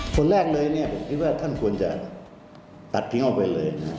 คนแรกเลยคิดว่าท่านควรจะตัดแผงออกไปเลย